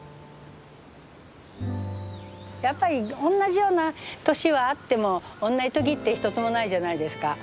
やっぱりおんなじような年はあってもおんなじ時って一つもないじゃないですかうん。